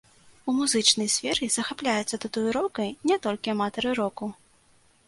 У музычнай сферы захапляюцца татуіроўкай не толькі аматары року.